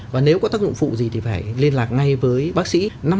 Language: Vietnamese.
và nếu có tác dụng phụ gì thì phải liên lạc ngay với bác sĩ